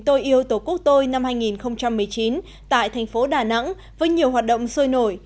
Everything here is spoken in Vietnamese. tôi yêu tổ quốc tôi năm hai nghìn một mươi chín tại thành phố đà nẵng với nhiều hoạt động sôi nổi